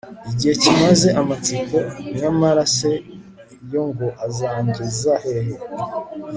igihe kimaze amatsiko nyamara se yo ngo azangeza hehe